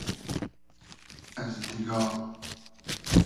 از دیگا